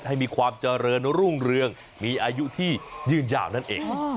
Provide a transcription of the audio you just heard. ให้มีความเจริญรุ่งเรืองมีอายุที่ยืนยาวนั่นเอง